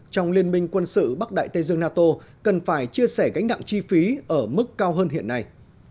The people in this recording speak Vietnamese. trong liên minh quân sự bắc đại tây dương nato cần phải chia sẻ gánh nặng chi phí ở mức cao hơn hiện nay